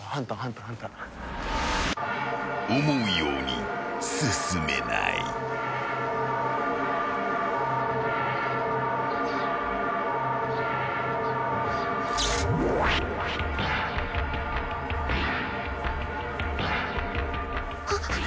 ［思うように進めない］あっ。